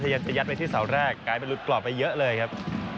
ยังจะยัดไปที่เสาแรกกลายเป็นหลุดกรอบไปเยอะเลยครับ